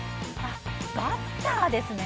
バッターですね。